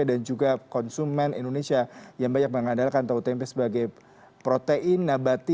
dan juga konsumen indonesia yang banyak mengandalkan tautan tmp sebagai protein nabati